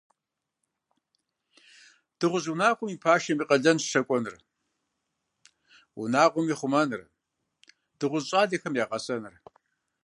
Дыгъужь унагъуэм и пашэм и къалэнщ щакӏуэныр, унагъуэм и хъумэныр, дыгъужь щӏалэхэм и гъэсэныр.